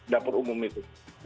dapur umum itu